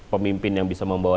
pemimpin yang bisa membawa